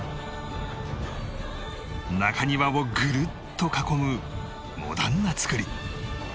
中庭をぐるっと囲むモダンな造り